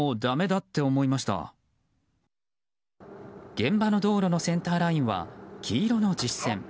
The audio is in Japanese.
現場の道路のセンターラインは黄色の実線。